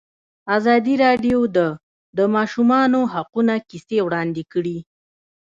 ازادي راډیو د د ماشومانو حقونه کیسې وړاندې کړي.